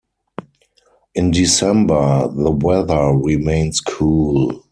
In December, the weather remains cool.